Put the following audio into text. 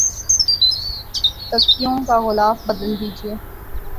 تکیوں کا غلاف بدل دیجئے